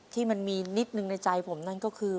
ที่มันมีนิดหนึ่งในใจผมนั่นก็คือ